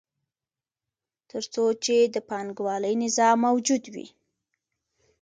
تر څو چې د پانګوالي نظام موجود وي